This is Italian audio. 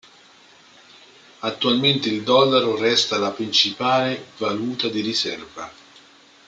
Attualmente il dollaro resta la principale valuta di riserva.